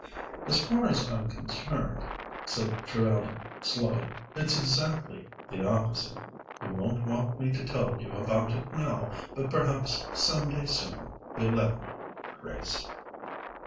"As far as I'm concerned," said Trevellyan slowly, "it's exactly the opposite. You won't want me to tell you about it now, but perhaps some day soon you'll let me Grace."